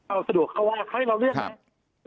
เอาสะดวกเขาว่าให้เราเลือกไหม